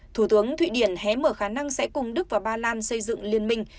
thủ tướng thụy điển hé mở khả năng sẽ cùng đức và ba lan xây dựng liên minh